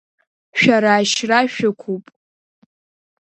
Шәара ашьра шәықәуп!